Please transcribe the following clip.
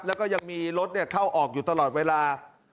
แล้วก็ยังมีรถเข้าออกอยู่ตลอดเวลา